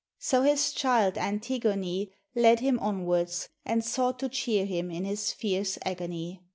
So his child Antigone led him onwards, and sought to cheer him in his fierce agony.